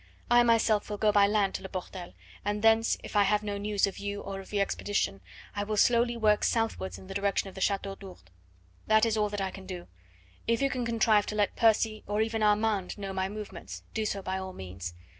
I myself will go by land to Le Portel, and thence, if I have no news of you or of the expedition, I will slowly work southwards in the direction of the Chateau d'Ourde. That is all that I can do. If you can contrive to let Percy or even Armand know my movements, do so by all means.